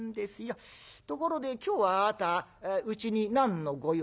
ところで今日はあなたうちに何の御用？